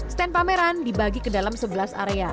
stand pameran dibagi ke dalam sebelas area